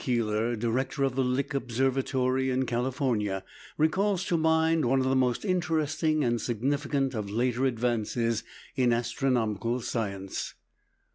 Keeler, Director of the Lick Observatory, in California (p. 32), recalls to mind one of the most interesting and significant of later advances in astronomical science.